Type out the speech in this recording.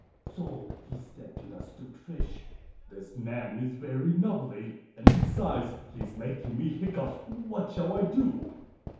So he said to the 'Stute Fish, 'This man is very nubbly, and besides he is making me hiccough. What shall I do?